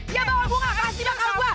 ya banget gua nggak ngerti maka gua